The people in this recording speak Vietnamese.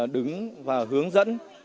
đứng và hướng dẫn